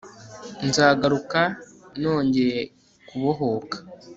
Nzagaruka nongeye kubohoka